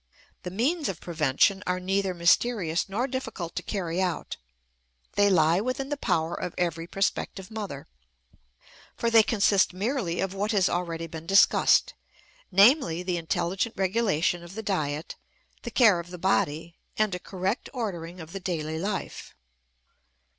The means of prevention are neither mysterious nor difficult to carry out; they lie within the power of every prospective mother, for they consist merely of what has already been discussed, namely, the intelligent regulation of the diet, the care of the body, and a correct ordering of the daily life.